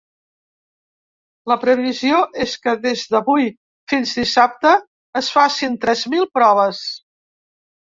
La previsió és que des d’avui fins dissabte es facin tres mil proves.